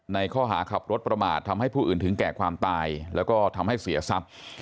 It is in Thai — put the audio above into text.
ในข้อหาขับรถประมาททำให้ผู้อื่นถึงแก่ความตายแล้วก็ทำให้เสียทรัพย์